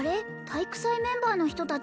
体育祭メンバーの人達？